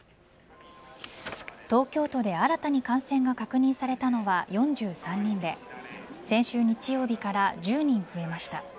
東京都で新たに感染が確認されたのは４３人で先週日曜日から１０人増えました。